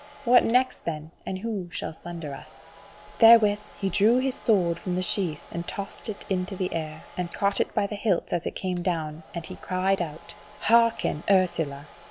What next then, and who shall sunder us?" Therewith he drew his sword from the sheath, and tossed it into the air, and caught it by the hilts as it came down, and he cried out: "Hearken, Ursula!